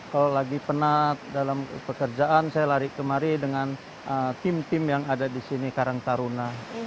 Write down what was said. kalau lagi penat dalam pekerjaan saya lari kemari dengan tim tim yang ada di sini karang taruna